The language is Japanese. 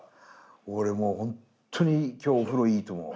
俺もうほんとに今日お風呂いいと思う。